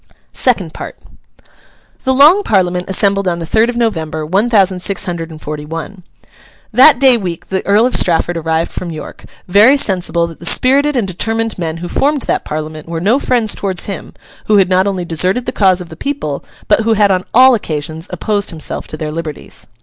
SECOND PART The Long Parliament assembled on the third of November, one thousand six hundred and forty one. That day week the Earl of Strafford arrived from York, very sensible that the spirited and determined men who formed that Parliament were no friends towards him, who had not only deserted the cause of the people, but who had on all occasions opposed himself to their liberties.